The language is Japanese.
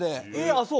ああそう。